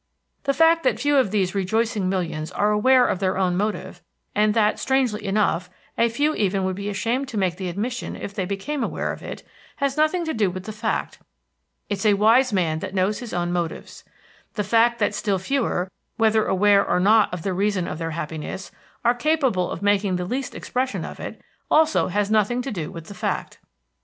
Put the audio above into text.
The fact that few of these rejoicing millions are aware of their own motive, and that, strangely enough, a few even would be ashamed to make the admission if they became aware of it, has nothing to do with the fact. It's a wise man that knows his own motives. The fact that still fewer, whether aware or not of the reason of their happiness, are capable of making the least expression of it, also has nothing to do with the fact.